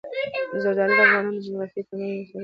زردالو د افغانستان د جغرافیوي تنوع یو څرګند مثال دی.